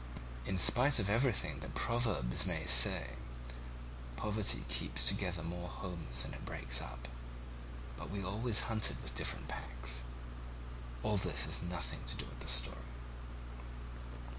In spite of everything that proverbs may say, poverty keeps together more homes than it breaks up. But we always hunted with different packs. All this has nothing to do with the story."